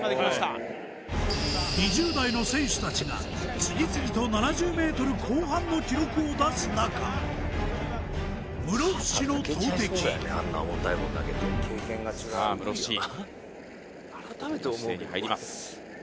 ２０代の選手達が次々と７０ｍ後半の記録を出す中室伏の投てきさあ室伏投てきの姿勢に入ります